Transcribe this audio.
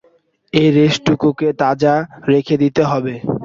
এই রেশটুকুকে তাজা রেখে দিতে হবে।